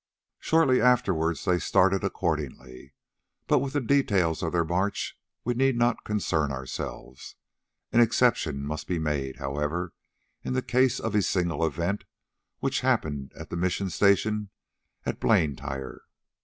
Shortly afterwards they started accordingly, but with the details of their march we need not concern ourselves. An exception must be made, however, in the case of a single event which happened at the mission station of Blantyre.